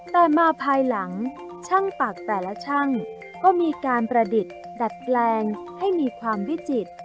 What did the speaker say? แต่มาภายหลังช่างปากแต่ละช่างก็มีการประดิษฐ์ดัดแปลงให้มีความวิจิตร